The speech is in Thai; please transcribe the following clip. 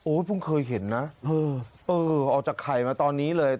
เพิ่งเคยเห็นนะเออออกจากไข่มาตอนนี้เลย